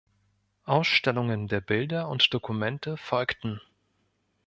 Ausstellungen der Bilder und Dokumente folgten.